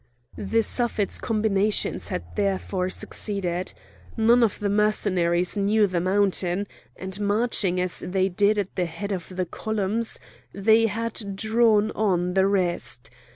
The Suffet's combinations had therefore succeeded. None of the Mercenaries knew the mountain, and, marching as they did at the head of their columns, they had drawn on the rest.